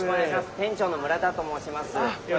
店長の村田ともうします。